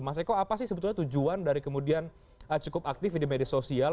mas eko apa sih sebetulnya tujuan dari kemudian cukup aktif di media sosial